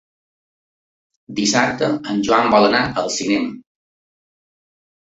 Dissabte en Joan vol anar al cinema.